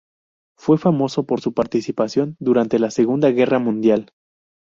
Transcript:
Fue famoso por su participación durante la Segunda Guerra Mundial.